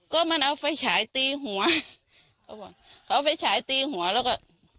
ก็มันเอาไฟฉายตีหัวเขาบอกเขาเอาไฟฉายตีหัวแล้วก็